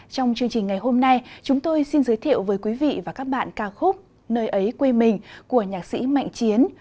trong chương trình ngày hôm nay chúng tôi xin giới thiệu với quý vị và các bạn ca khúc nơi ấy quê mình của nhạc sĩ mạnh chiến